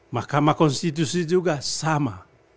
mahkamah konstitusi juga sama